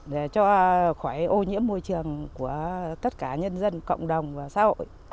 để cho khỏi ô nhiễm môi trường của tất cả nhân dân cộng đồng và xã hội